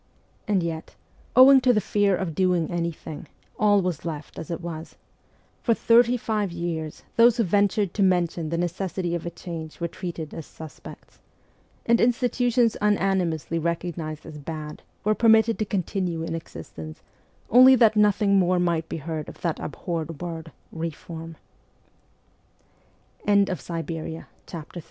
And yet, owing to the fear of doing anything, all was left as it was ; for thirty five years those who ventured to mention the necessity of a change were treated as ' suspects ;' and institutions unanimously recognized as bad were permitted to continue in exist ence only that nothing more might be